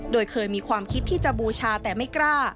โดยเคยมีความคิดที่จะบูชาแต่ไม่กล้า